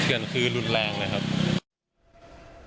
เชื่อนที่รุนแรงนะครับ